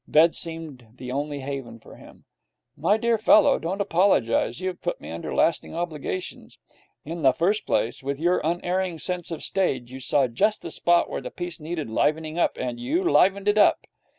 Bed seemed the only haven for him. 'My dear fellow, don't apologize. You have put me under lasting obligations. In the first place, with your unerring sense of the stage, you saw just the spot where the piece needed livening up, and you livened it up.